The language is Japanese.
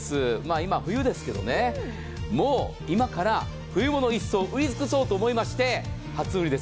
今、冬ですけれどももう今から冬物売りつくそうと思いまして初売りです。